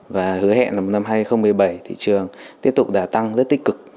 và hứa hẹn là năm hai nghìn một mươi bảy thị trường tiếp tục đã tăng rất tích cực